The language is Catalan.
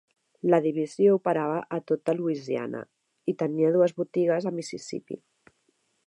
La divisió operava a tota Louisiana, i tenia dues botigues a Mississipí.